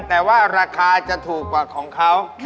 แต่ว่าราคาจะถูกกว่าของเขา